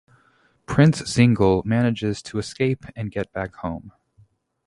Prince Zingle manages to escape and get back home.